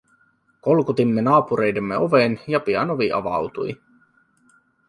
Kolkutimme naapureidemme oveen, ja pian ovi avautui.